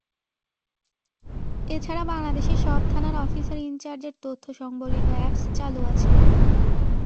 এ ছাড়া বাংলাদেশের সব থানার অফিসার ইনচার্জের তথ্যসংবলিত অ্যাপস চালু আছে।